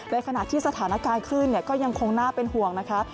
ในขณะที่สถานการณ์คลื่นก็ยังคงน่าเป็นห่วงนะคะ